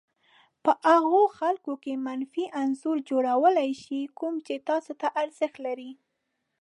په هغو خلکو کې منفي انځور جوړولای شي کوم چې تاسې ته ارزښت لري.